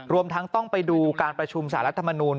รวมทั้งต้องไปดูการประชุมสารรัฐมนูล